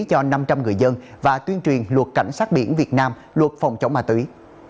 cho năm trăm linh người dân và tuyên truyền luật cảnh sát biển việt nam luật phòng chống ma túy